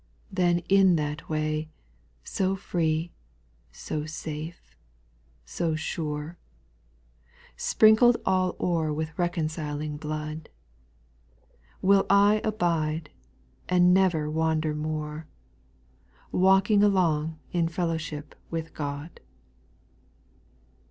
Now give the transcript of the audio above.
6. Then in that way, so free, so safe, so sure, Sprinkled all o'er with reconciling blood, "Will I abide, and never wander more, Walking along in fellowship with God.